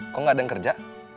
kok gak ada yang kerja